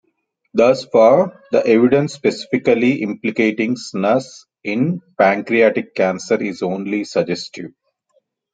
Thus far, the evidence specifically implicating snus in pancreatic cancer is only suggestive.